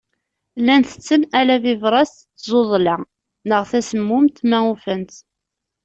Llan tetten ala bibṛas d tzuḍla neɣ tasemmumt ma ufan-tt.